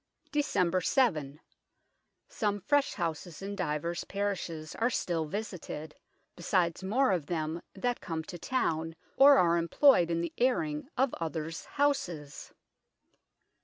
230 UNKNOWN LONDON " December 7. Some fresh houses in divers parishes are still visited, besides more of them that come to towne, or are imployed in the aireing of other's houses."